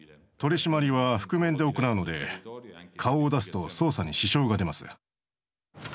取締りは覆面で行うので顔を出すと捜査に支障が出ます。